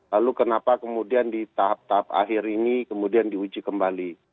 lalu kenapa kemudian di tahap tahap akhir ini kemudian diuji kembali